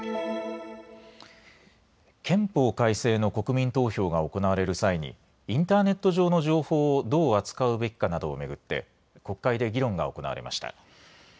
憲法改正の国民投票が行われる際にインターネット上の情報をどう扱うべきかなどを巡って国会で議論が行われました。